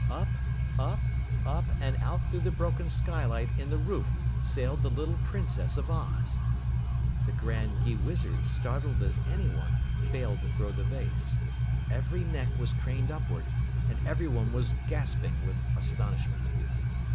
Up, up, up, and out through the broken skylight in the roof sailed the little Princess of Oz! The Grand Gheewizard, startled as anyone, failed to throw the vase. Every neck was craned upward, and everyone was gasping with astonishment.